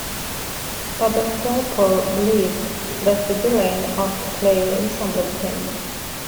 Robert Walpole believed that the villain of the play resembled him.